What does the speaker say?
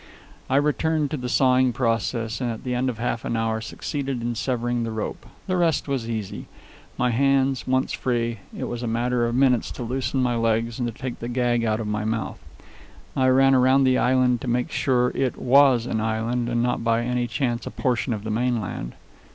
I returned to the sawing process, and at the end of half an hour succeeded in severing the rope. The rest was easy. My hands once free, it was a matter of minutes to loosen my legs and to take the gag out of my mouth. I ran around the island to make sure it was an island and not by any chance a portion of the mainland.